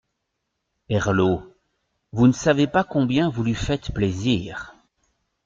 Herlaut. — Vous ne savez pas combien vous lui faites plaisir.